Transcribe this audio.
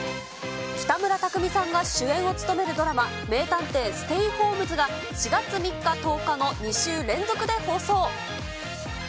北村匠海さんが主演を務めるドラマ、名探偵ステイホームズが、４月３日、１０日の２週連続で放送。